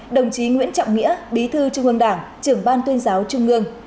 đồng chí nguyễn trọng nghĩa bí thư trung ương đảng trưởng ban tuyên giáo trung ương